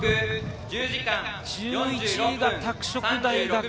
１１位が拓殖大学。